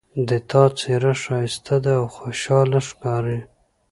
د تا څېره ښایسته ده او خوشحاله ښکاري